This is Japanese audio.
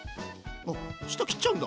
下切っちゃうんだ！